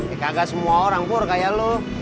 eh kagak semua orang pur kayak lo